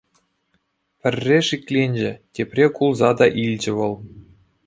Пӗрре шикленчӗ, тепре кулса та илчӗ вӑл.